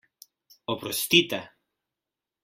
Oprostite!